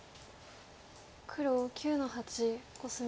黒９の八コスミ。